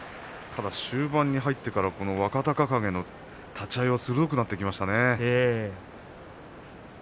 ただ終盤に入ってこの若隆景の立ち合いが鋭くなってきましたね。